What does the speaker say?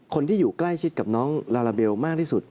คนที่อยู่ใกล้ชิดกับน้องลาลาเบลมากที่สุด